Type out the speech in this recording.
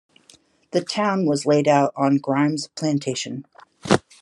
The town was laid out on Grimes' plantation.